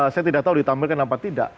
saya tidak tahu ditampilkan apa tidak